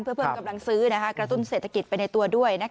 เพื่อเพิ่มกำลังซื้อกระตุ้นเศรษฐกิจไปในตัวด้วย